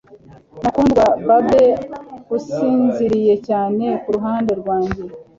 mukundwa babe, usinziriye cyane kuruhande rwanjye